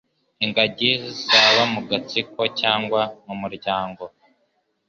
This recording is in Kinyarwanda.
Ingagi Zaba mu gatsiko cyangwa mu muryango,